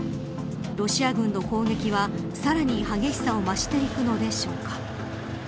ロシア軍の攻撃はさらに激しさを増していくのでしょうか。